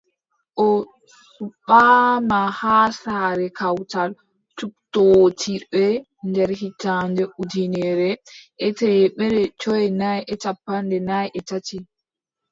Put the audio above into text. O suɓaama haa saare kawtal cuɓtootirɓe nder hitaande ujineere e teemeɗɗe joweenayi e cappanɗe nay e tati.